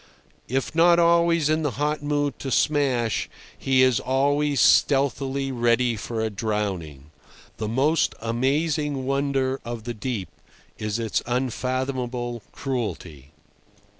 If not always in the hot mood to smash, he is always stealthily ready for a drowning. The most amazing wonder of the deep is its unfathomable cruelty.